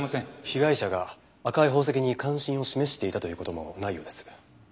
被害者が赤い宝石に関心を示していたという事もないようです。